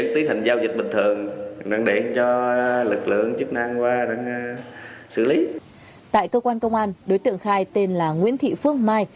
tại cơ quan công an đối tượng khai tên là nguyễn thị phương mai